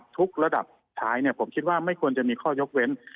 ระดับท้ายผมคิดว่าไม่ควรจะมีข้อยกเว้น